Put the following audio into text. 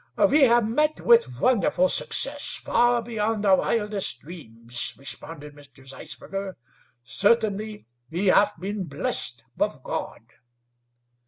"We have met with wonderful success, far beyond our wildest dreams," responded Mr. Zeisberger. "Certainly we have been blessed of God."